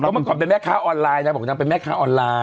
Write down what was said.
เมื่อก่อนเป็นแม่ค้าออนไลน์นางบอกนางเป็นแม่ค้าออนไลน์